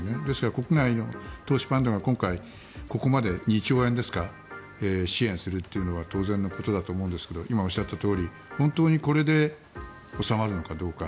国内の投資ファンドが今回ここまで２兆円ですか支援するっていうのは当然のことだと思うんですが今おっしゃったとおり本当にこれで収まるのかどうか。